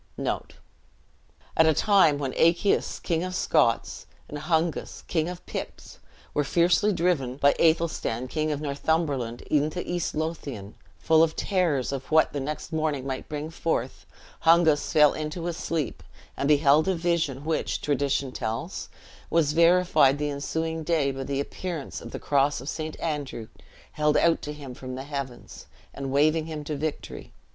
At a time when Achaius King of Scotts, and Hungus King of Picts, were fiercely driven by Athelstan King of Northumberland into East Lothian, full of terrors of what the next morning might bring forth, Hungus fell into a sleep, and beheld a vision, which, tradition tells, was verified the ensuing day by the appearance of the cross of St. Andrew held out to him from the heavens, and waving him to victory.